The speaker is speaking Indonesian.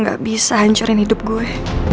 gak bisa hancurin hidup gue